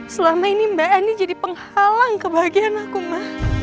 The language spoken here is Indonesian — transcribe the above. selama ini mbak eni jadi penghalang kebahagiaan aku ma